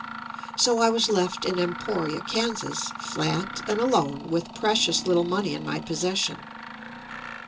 So I was left in Emporia, Kansas, flat and alone, with precious little money in my possession.